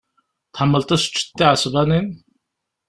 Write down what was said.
Tḥemmleḍ ad teččeḍ tiɛesbanin.